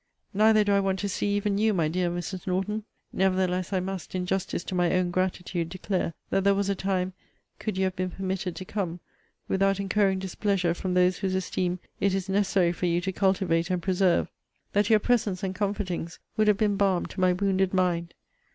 Neither do I want to see even you, my dear Mrs. Norton. Nevertheless I must, in justice to my own gratitude, declare, that there was a time, could you have been permitted to come, without incurring displeasure from those whose esteem it is necessary for you to cultivate and preserve, that your presence and comfortings would have been balm to my wounded mind.